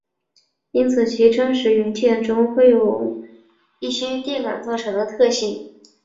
因此其真实元件中会有一些电感造成的特性。